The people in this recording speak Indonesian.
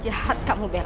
jahat kamu bella